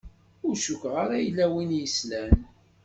Ur cukkeɣ ara yella win i s-yeslan.